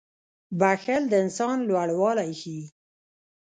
• بښل د انسان لوړوالی ښيي.